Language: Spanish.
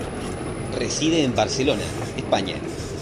Reside en Barcelona, España.